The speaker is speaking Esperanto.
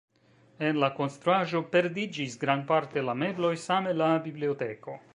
En la konstruaĵo perdiĝis grandparte la mebloj, same la biblioteko.